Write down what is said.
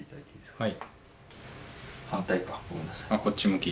はい。